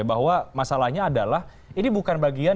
bahwa masalahnya adalah ini bukan bagian